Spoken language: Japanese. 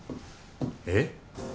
えっ？